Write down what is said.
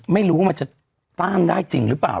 ไม่รู้ว่ามันจะต้านได้จริงหรือเปล่า